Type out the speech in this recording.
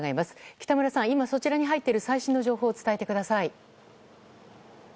北村さん、そちらに入っている最新の情報を伝えてください。